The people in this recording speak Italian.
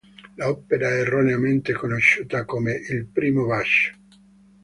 L'opera è erroneamente conosciuta come "Il primo bacio".